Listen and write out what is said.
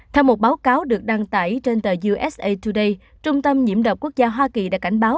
theo một báo cáo được đăng tải trên tờ usa today trung tâm nhiễm độc quốc gia hoa kỳ đã cảnh báo